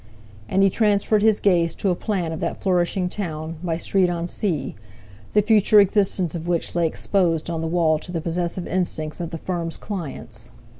And he transferred his gaze to a plan of that flourishing town, "By Street on Sea," the future existence of which lay exposed on the wall to the possessive instincts of the firm's clients.